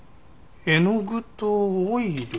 絵の具とオイル？